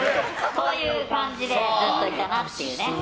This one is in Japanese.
そういう感じでずっといたなって。